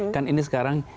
kan ini sekarang